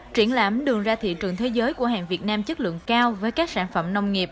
triển lãm đường ra thị trường thế giới của hàng việt nam chất lượng cao với các sản phẩm nông nghiệp